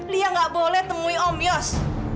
lia gak boleh temui om yos